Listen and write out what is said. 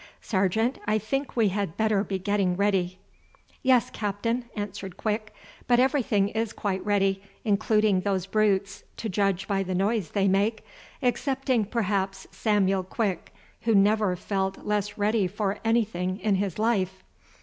Sergeant, I think we had better be getting ready." "Yes, Captain," answered Quick; "but everything is quite ready, including those brutes, to judge by the noise they make, excepting perhaps Samuel Quick, who never felt less ready for anything in his life.